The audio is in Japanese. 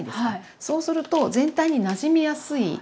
そうすると全体になじみやすい。